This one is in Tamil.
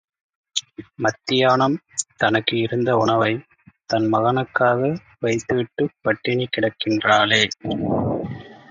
மத்தியானம் தனக்கு இருந்த உணவை, தன் மகனுக்காக வைத்துவிட்டுப் பட்டினிகிடக்கின்றாளே!